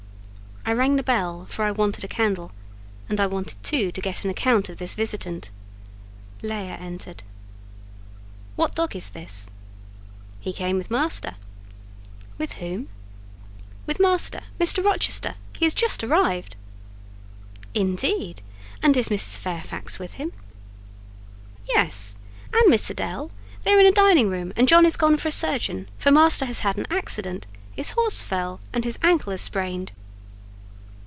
I rang the bell, for I wanted a candle; and I wanted, too, to get an account of this visitant. Leah entered. "What dog is this?" "He came with master." "With whom?" "With master—Mr. Rochester—he is just arrived." "Indeed! and is Mrs. Fairfax with him?" "Yes, and Miss Adèle; they are in the dining room, and John is gone for a surgeon; for master has had an accident; his horse fell and his ankle is sprained."